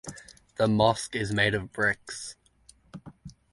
The mosque is made of bricks.